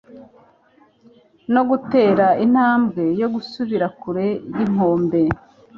no gutera intambwe yo gusubira kure yinkombe